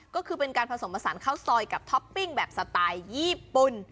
ก็คือเป็นการผสมผสานข้าวซอยกับท็อปปิ้งแบบสไตล์ญี่ปุ่น